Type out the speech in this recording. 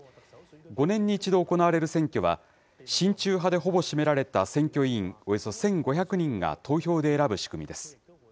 ５年に１度行われる選挙は、親中派でほぼ占められた選挙委員およそ１５００人が投票で選ぶ仕組みです。